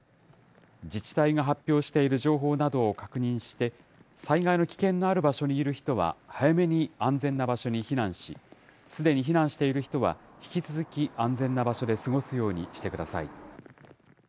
自治体が発表している情報などを確認して、災害の危険のある場所にいる人は早めに安全な場所に避難し、すでに避難している人は、引き続き安全な場所で過ごすようにしてください。